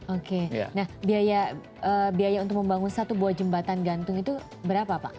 oke nah biaya untuk membangun satu buah jembatan gantung itu berapa pak